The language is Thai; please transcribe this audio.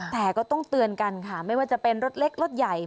แต่ก็ต้องเตือนกันค่ะไม่ว่าจะเป็นรถเล็กรถใหญ่